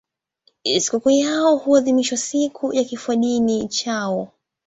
Sikukuu yao huadhimishwa siku ya kifodini chao.